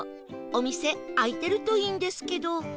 お店開いてるといいんですけど